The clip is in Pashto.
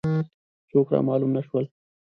څوک را معلوم نه شول.